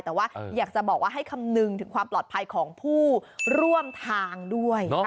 แต่ว่าอยากจะบอกว่าให้คำนึงถึงความปลอดภัยของผู้ร่วมทางด้วย